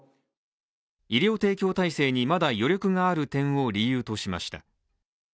医療提供体制にまだ余力がある点を理由としました。